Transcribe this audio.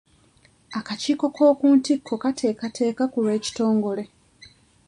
Akakiiko ak'oku ntikko kateekateeka ku lw'ekitongole.